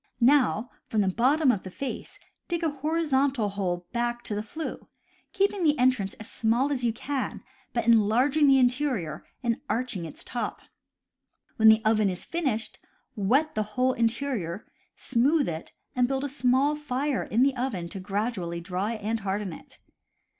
Now, from the bottom of the face, dig a horizontal hole back to the flue, keeping the entrance as small as you can, but enlarging the interior and arching its top. When the oven is finished, wet the whole interior, smooth it, and build a small fire in the oven to gradually dry and harden it.